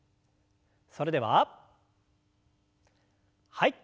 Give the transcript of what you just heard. それでははい。